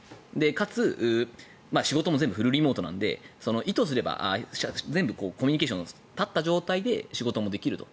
かつ、仕事も全部フルリモートなので意図すれば全部コミュニケーションを断った状態で仕事もできると。